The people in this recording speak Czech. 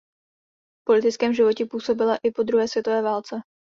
V politickém životě působila i po druhé světové válce.